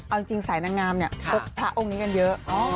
เอาจริงสายนางงามถาองค์นี้กันเยอะ